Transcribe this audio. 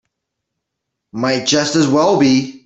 Might just as well be.